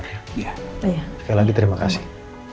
sekali lagi terima kasih